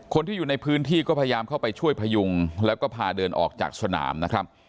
คนที่อยู่ในพื้นที่ก็พยายามเข้าไปช่วยพยุงแล้วก็พาเดินออกจากสนามนะครับ